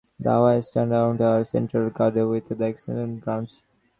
The house stands around a central courtyard within extensive grounds.